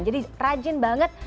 jadi rajin banget